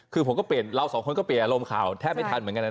คือผมก็เปลี่ยนเราสองคนก็เปลี่ยนอารมณ์ข่าวแทบไม่ทันเหมือนกันนะ